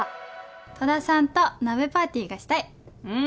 戸田さんと鍋パーティーがしうん。